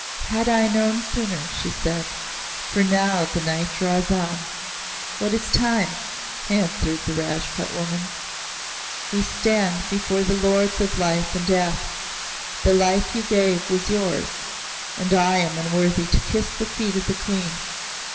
"Had I known sooner!" she said. "For now the night draws on." "What is time?" answered the Rajput woman. "We stand before the Lords of Life and Death. The life you gave was yours, and I am unworthy to kiss the feet of the Queen.